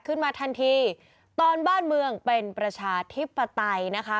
ขึ้นมาทันทีตอนบ้านเมืองเป็นประชาธิปไตยนะคะ